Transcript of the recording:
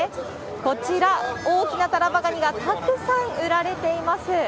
こちら、大きなタラバガニがたくさん売られています。